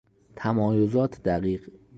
تمایزات دقیق